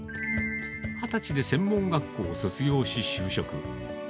２０歳で専門学校を卒業し、就職。